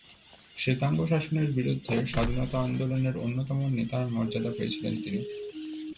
শ্বেতাঙ্গ শাসনের বিরুদ্ধে স্বাধীনতা আন্দোলনের অন্যতম নেতার মর্যাদা পেয়েছিলেন তিনি।